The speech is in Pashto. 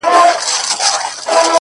دا غرونه ؛ غرونه دي ولاړ وي داسي؛